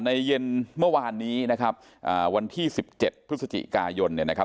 เย็นเมื่อวานนี้นะครับวันที่สิบเจ็ดพฤศจิกายนเนี่ยนะครับ